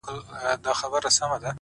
دردونه مي د ستوريو و کتار ته ور وړم!